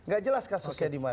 gak jelas kasusnya dimana